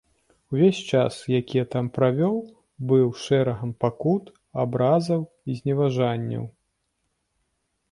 Увесь час, які я там правёў, быў шэрагам пакут, абразаў і зневажанняў.